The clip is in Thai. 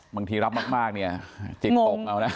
บางทีรับมากเนี่ยจิ๊กตก